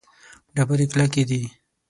ډبرې کلکې دي.